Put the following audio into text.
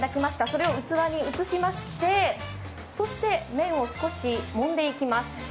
それを器に移しまして、麺を少しもんでいきます。